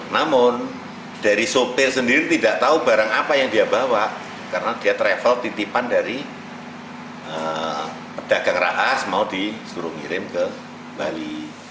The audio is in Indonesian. namun dari sopir sendiri tidak tahu barang apa yang dia bawa karena dia travel titipan dari pedagang raas mau disuruh ngirim ke bali